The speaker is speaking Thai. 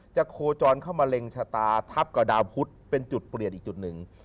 โคจรเข้ามาเล็งชะตาทับกับดาวพุทธเป็นจุดเปลี่ยนอีกจุดหนึ่ง